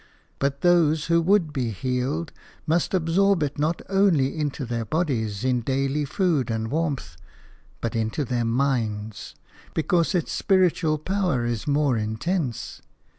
But those who would be healed must absorb it not only into their bodies in daily food and warmth but into their minds, because its spiritual power is more intense.